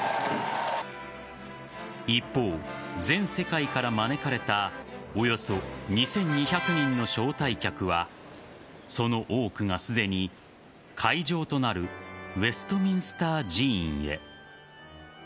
一方、全世界から招かれたおよそ２２００人の招待客はその多くがすでに会場となるウェストミンスター寺院へ。